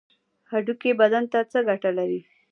هډوکي بدن ته څه ګټه لري؟